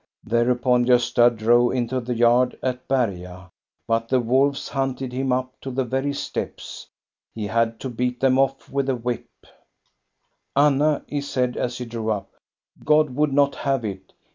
Thereupon Gosta drove into the yard at Berga, but the wolves hunted him up to the very steps. He had to beat them off with the whip. ^6 THE STORY OF GOSTA BE RUNG " Anna," he said, as they drew up, " God would not have it.